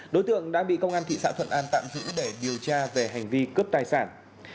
đối tượng đã bị công an thị xã thuận an tạm giữ để điều tra về hành vi cướp tài sản